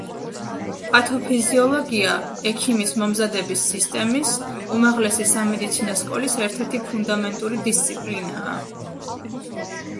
პათოფიზიოლოგია ექიმის მომზადების სისტემის, უმაღლესი სამედიცინო სკოლის ერთ–ერთი ფუნდამენტური დისციპლინაა.